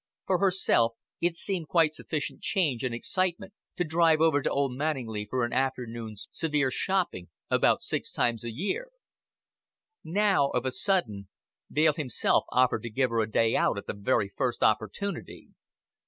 For herself it seemed quite sufficient change and excitement to drive over to Old Manninglea for an afternoon's severe shopping about six times a year. Now, of a sudden, Dale himself offered to give her a day out at the very first opportunity.